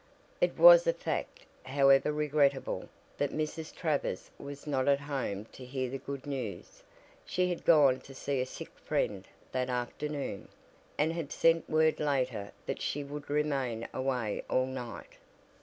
It was a fact, however regrettable, that Mrs. Travers was not at home to hear the good news. She had gone to see a sick friend that afternoon, and had sent word later that she would remain away all night.